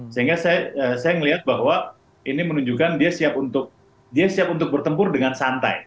sehingga saya melihat bahwa ini menunjukkan dia siap untuk bertempur dengan santai